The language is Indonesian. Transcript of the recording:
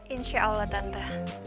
insya allah tante